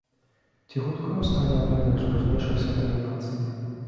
Ці хутка ён стане адной з найважнейшых святыняў нацыі?